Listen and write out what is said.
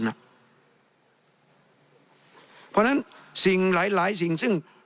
เพราะฉะนั้นสิ่งหลายสิ่งซึ่ง